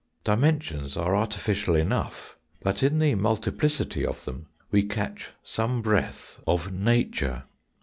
Dimensions are artificial enough, but in the multiplicity of them we catch some breath of nature.